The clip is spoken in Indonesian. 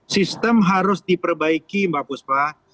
sistem harus diperbaiki mbak puspa